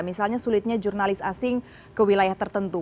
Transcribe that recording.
misalnya sulitnya jurnalis asing ke wilayah tertentu